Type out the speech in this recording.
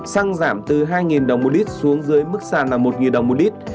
xăng giảm từ hai đồng một lít xuống dưới mức sàn là một đồng một lít